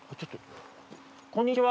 こんにちは。